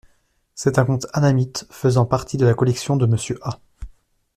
C'est un conte annamite, faisant partie de la collection de Monsieur A.